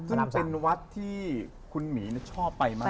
ซึ่งเป็นวัดที่คุณหมีชอบไปมาก